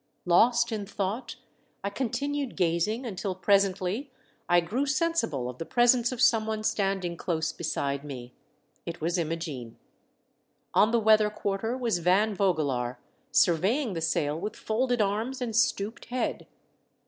Lost in thought, I continued gazing until presently I grew sensible of the presence of someone standing close beside me. It was Imogene. On the weather quarter was Van Vogelaar surveying the sail with folded arms and stooped head.